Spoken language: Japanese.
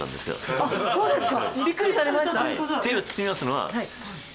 あっそうですよね。